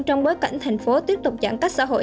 trong bối cảnh thành phố tiếp tục giãn cách xã hội